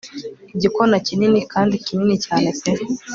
igikona kinini kandi kinini cyane pe